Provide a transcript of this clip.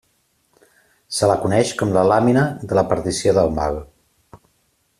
Se la coneix com la Làmina de la perdició del Mal.